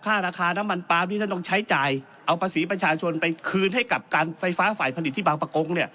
ราคาน้ำมันปาล์มที่ท่านต้องใช้จ่ายเอาภาษีประชาชนไปคืนให้กับการไฟฟ้าฝ่ายผลิตที่บางประกงเนี่ย